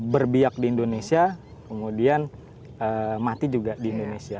berbiak di indonesia kemudian mati juga di indonesia